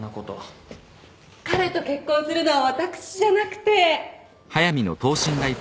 彼と結婚するのは私じゃなくて。